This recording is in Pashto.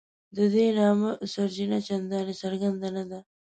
د دې نامه سرچینه چنداني څرګنده نه ده.